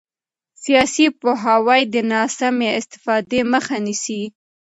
سیاسي پوهاوی د ناسمې استفادې مخه نیسي